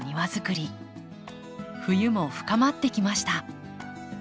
冬も深まってきました。